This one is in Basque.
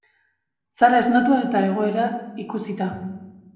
Sara esnatu eta egoera ikusita.